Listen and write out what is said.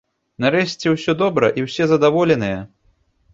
Нарэшце ўсё добра і ўсе задаволеныя?